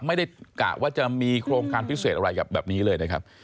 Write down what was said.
กะว่าจะมีโครงการพิเศษอะไรกับแบบนี้เลยนะครับ